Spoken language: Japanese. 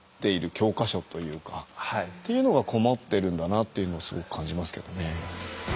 っていうのがこもってるんだなっていうのをすごく感じますけどね。